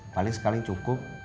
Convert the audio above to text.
paling sekalian cukup